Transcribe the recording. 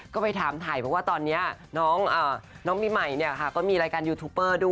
ก็ไปถามถ่ายเพราะว่าตอนนี้น้องมิมัยก็มีรายการยูทูปเบอร์ด้วย